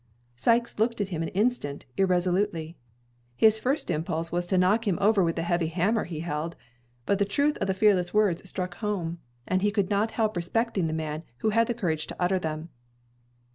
Sikes looked at him an instant irresolutely. His first impulse was to knock him over with the heavy hammer he held; but the truth of the fearless words struck home, and he could not help respecting the man who had the courage to utter them.